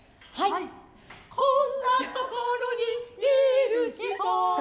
こんなところにいる人。